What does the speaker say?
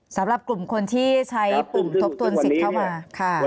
สำหรับกลุ่มคนที่ใช้ปุ่มทบทวนสิทธิ์เข้ามาค่ะ